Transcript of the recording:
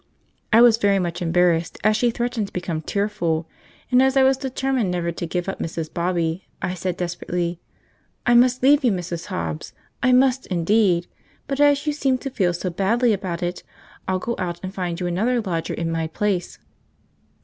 I was very much embarrassed, as she threatened to become tearful; and as I was determined never to give up Mrs. Bobby, I said desperately, "I must leave you, Mrs. Hobbs, I must indeed; but as you seem to feel so badly about it, I'll go out and find you another lodger in my place."